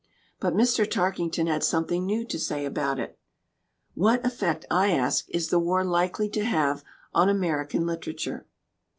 But Mr. Tarkington had something new to say about it. "What effect," I asked, "is the war likely to have on American literature?"